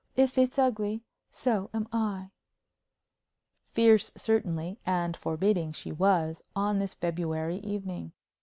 "If it's ugly, so am I." Fierce, certainly, and forbidding she was on this February evening.